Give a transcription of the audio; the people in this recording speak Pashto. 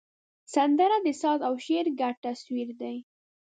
سندره د ساز او شعر ګډ تصویر دی